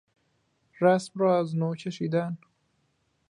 رسم را از نو کشیدن